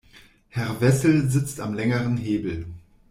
Herr Wessel sitzt am längeren Hebel.